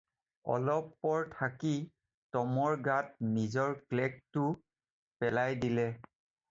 অলপ পৰ থাকি টমৰ গাত নিজৰ "ক্লোক"টো পেলাই দিলে।